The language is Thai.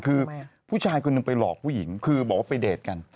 คือผู้ชายคนหนึ่งไปหลอกผู้หญิงคือบอกว่าไปเดทกัน